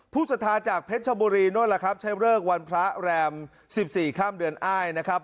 ศรัทธาจากเพชรชบุรีนู่นล่ะครับใช้เลิกวันพระแรม๑๔ข้ามเดือนอ้ายนะครับ